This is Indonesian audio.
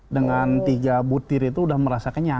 dengan tiga butir itu sudah merasa kenyang